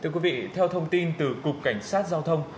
thưa quý vị theo thông tin từ cục cảnh sát giao thông